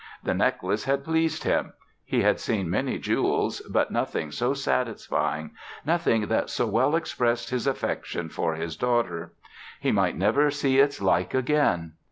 The necklace had pleased him. He had seen many jewels, but nothing so satisfying nothing that so well expressed his affection for his daughter. He might never see its like again.